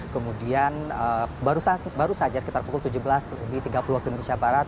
kemudian baru saja sekitar pukul tujuh belas lebih tiga puluh waktu indonesia barat